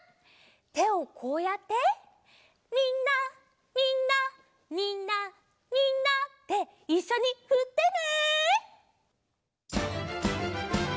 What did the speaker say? てをこうやって「みんなみんなみんなみんな」っていっしょにふってね！